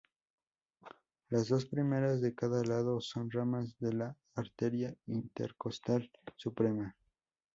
Las dos primeras de cada lado, son ramas de la arteria intercostal suprema.